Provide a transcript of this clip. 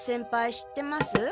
知ってます？